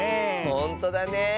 ほんとだねえ。